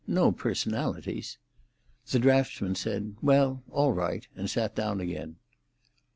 No personalities." The draughtsman said, "Well, all right!" and sat down again.